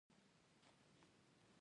هغه ولاړ خو زه يې په سوچونو کښې ډوب کړم.